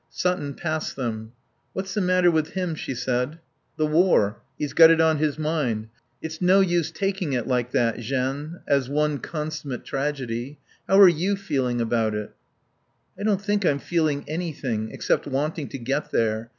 Sutton passed them. "What's the matter with him?" she said. "The War. He's got it on his mind. It's no use taking it like that, Jeanne, as one consummate tragedy ... How are you feeling about it?" "I don't think I'm feeling anything except wanting to get there.